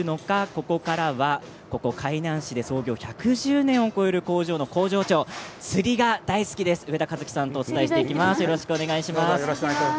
ここからは海南市で創業１１０年を超える工場の工場長釣りが大好きな上田和紀さんとお伝えしていきます。